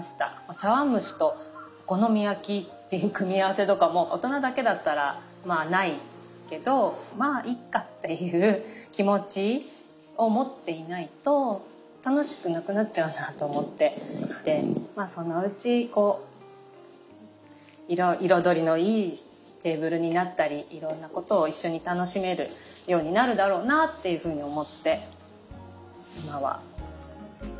茶碗蒸しとお好み焼きっていう組み合わせとかも大人だけだったらまあないけどまあいっかっていう気持ちをもっていないと楽しくなくなっちゃうなと思っていてまあそのうちこう彩りのいいテーブルになったりいろんなことを一緒に楽しめるようになるだろうなっていうふうに思って今は。